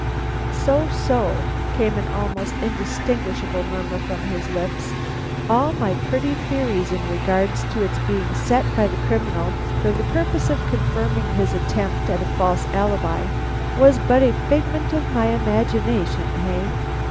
"So! so!" came in almost indistinguishable murmur from his lips. "All my pretty theory in regard to its being set by the criminal for the purpose of confirming his attempt at a false alibi was but a figment of my imagination, eh?